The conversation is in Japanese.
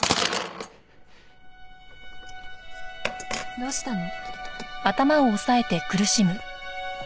どうしたの？